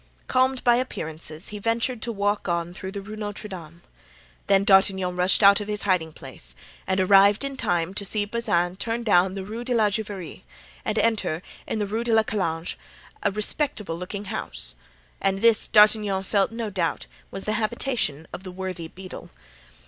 Calmed by appearances he ventured to walk on through the Rue Notre Dame. Then D'Artagnan rushed out of his hiding place and arrived in time to see Bazin turn down the Rue de la Juiverie and enter, in the Rue de la Calandre, a respectable looking house; and this D'Artagnan felt no doubt was the habitation of the worthy beadle.